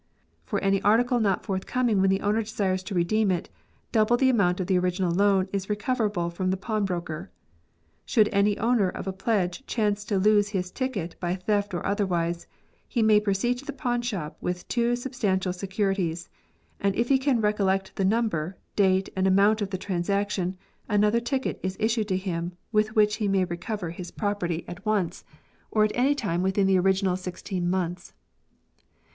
For any article not forthcoming when the owner desires to redeem it, double the amount of the original loan is recoverable from the pawnbroker. Should any owner of a pledge chance to lose his ticket by theft or other wise, he may proceed to the pawnshop with two sub stantial securities, and if he can recollect the number, date, and amount of the transaction, another ticket is issued to him with which he may recover his property 56 FA WNBROKERS. at once, or at any time within the original sixteen months.